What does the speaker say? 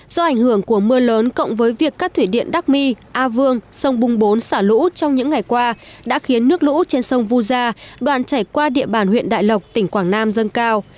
do ảnh hưởng của mưa lớn cộng với việc các thủy điện đắc my a vương sông bung bốn xả lũ trong những ngày qua đã khiến nước lũ trên sông vu gia đoạn chảy qua địa bàn huyện đại lộc tỉnh quảng nam dâng cao